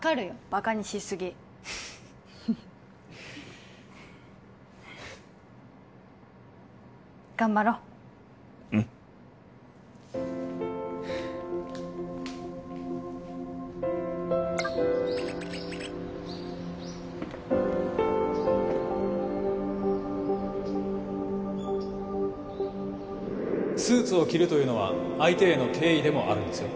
バカにしすぎ頑張ろううんスーツを着るというのは相手への敬意でもあるんですよ